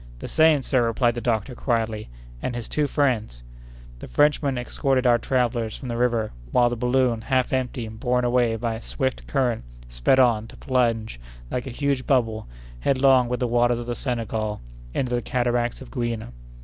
"The same, sir," replied the doctor, quietly, "and his two friends." The Frenchmen escorted our travellers from the river, while the balloon, half empty, and borne away by a swift current, sped on, to plunge, like a huge bubble, headlong with the waters of the Senegal, into the cataracts of Gouina.